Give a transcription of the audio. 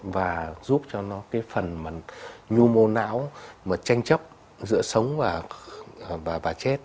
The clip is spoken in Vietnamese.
và giúp cho nó cái phần mà nhu mô não mà tranh chấp giữa sống và chết